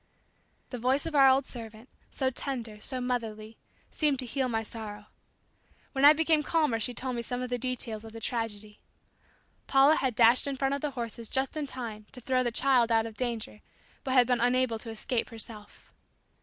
The voice of our old servant, so tender, so motherly, seemed to heal my sorrow. When I became calmer she told me some of the details of the tragedy. Paula had, dashed in front of the horses just in time to throw the child out of danger but had been unable to escape herself.